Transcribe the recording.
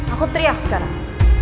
aku teriak sekarang